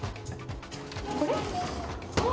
これ。